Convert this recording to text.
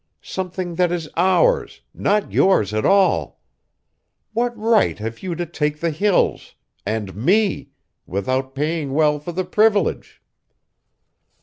Something that is ours, not yours at all! What right have you to take the Hills and me, without paying well for the privilege?"